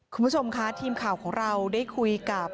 คุณผู้ชมค่ะทีมข่าวของเราได้คุยกับ